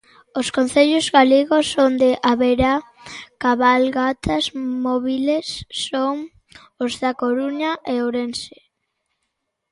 Os concellos galegos onde haberá cabalgatas móbiles son os da Coruña e Ourense.